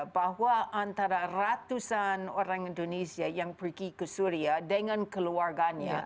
bahwa antara ratusan orang indonesia yang pergi ke suria dengan keluarganya